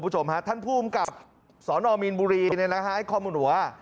ท่านภูมิกับสอนออมินบุรีในรหาฮ่ายคอมบุหร์